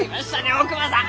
大窪さん！